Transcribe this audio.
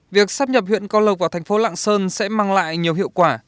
việc sắp nhập huyện cao lộc vào thành phố lạng sơn sẽ mang lại nhiều hiệu quả